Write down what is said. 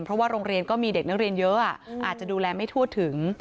เพราะว่าโรงเรียนก็มีเด็กนักเรียนเยอะอาจจะดูแลไม่ทั่วถึง